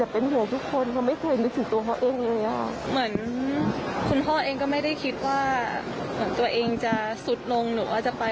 เหมือนคุณพ่อเองก็ไม่ได้คิดว่าตัวเองจะสุดลงหรือว่าจะไป